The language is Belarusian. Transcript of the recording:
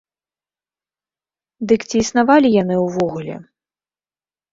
Дык ці існавалі яны ўвогуле?